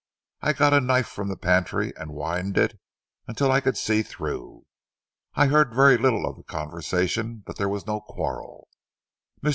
I got a knife from the pantry and widened it until I could see through. I heard very little of the conversation but there was no quarrel. Mr.